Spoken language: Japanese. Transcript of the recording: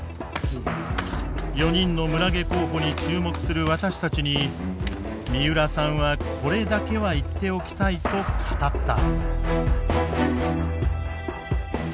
４人の村下候補に注目する私たちに三浦さんはこれだけは言っておきたいと語った。